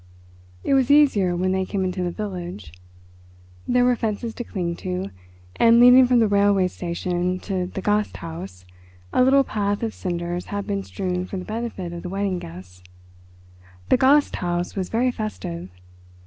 It was easier when they came into the village. There were fences to cling to, and leading from the railway station to the Gasthaus a little path of cinders had been strewn for the benefit of the wedding guests. The Gasthaus was very festive.